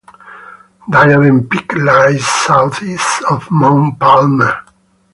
Diadem Peak lies southeast of Mount Palmer.